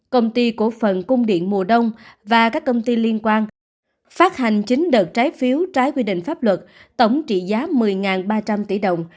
công ty cổ phần cung điện mùa đông và các công ty liên quan phát hành chín đợt trái phiếu trái quy định pháp luật tổng trị giá một mươi ba trăm linh tỷ đồng